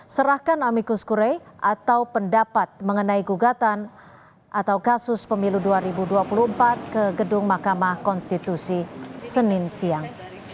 serahkan amikus kure atau pendapat mengenai gugatan atau kasus pemilu dua ribu dua puluh empat ke gedung mahkamah konstitusi senin siang